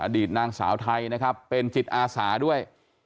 อดีตนางสาวไทยนะครับเป็นจิตอาสาด้วย